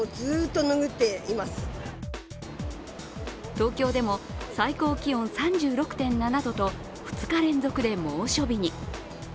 東京でも最高気温３６．７度と２日連続で猛暑日に。